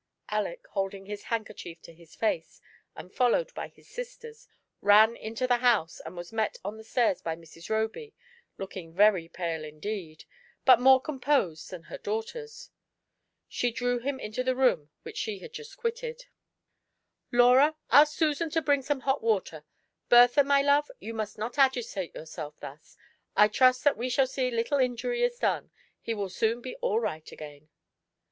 Aleck, holding his handkerchief to his face, and followed by his sisters, ran into the house, and was met on the stairs by Mrs. Roby, looking very pale, indeed, but more composed than her daughters. She drew him into the room which she had just quitted. 90 SUNDAY AT DOVE's NEST. " Laura^ ask Susan to bring some hot water ; Bertha, my love, you must not agitate yourself thus. I trust that we shall see that little injury is done ; he will soon be all right again."